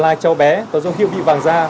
là cháu bé có dấu hiệu bị vàng da